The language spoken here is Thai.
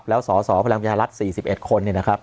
แล้วสอสพลังปลิศาลัศน์๔๑คน